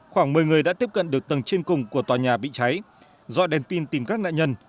khoảng một mươi người đã tiếp cận được tầng trên cùng của tòa nhà bị cháy do đèn pin tìm các nạn nhân